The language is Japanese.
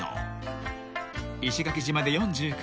［石垣島で４９年］